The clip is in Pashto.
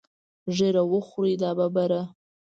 ږیره وخورې دا ببره.